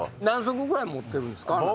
何足ぐらい持ってるんですか？